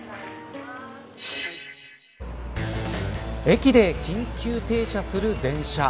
駅で緊急停車する電車。